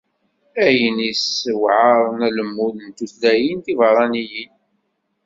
Ayen yessewεaren alemmud n tutlayin tibeṛṛaniyin.